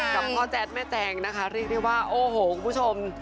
กับพ่อแจ๊ดแม่แจงนะคะเรียกได้ว่าโอ้โหคุณผู้ชม